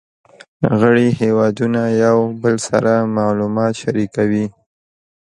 غړي هیوادونه یو بل سره معلومات شریکوي